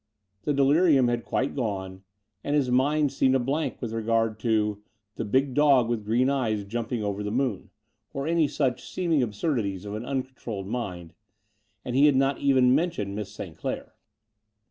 The delirium had quite gone, and his mind seemed a blank with regard to the big dog with green ^es jumping over the moon," or any such seeming absurdities of an tmcontroUed mind; and he had not even mentioned Miss St. Clair.